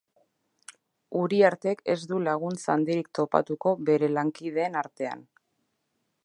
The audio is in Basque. Uriartek ez du laguntza handirik topatuko bere lankideen artean.